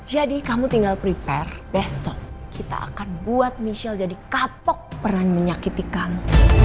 jadi kamu tinggal prepare besok kita akan buat michelle jadi kapok pernah menyakiti kamu